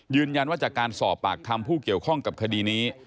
ยืนยันว่าจากการสอบปากคำผู้เกี่ยวข้องกับคดีนี้